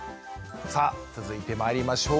さあ続いてまいりましょうか。